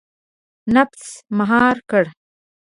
• نفس مهار کړه.